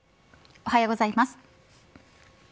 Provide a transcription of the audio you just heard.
おはようございます。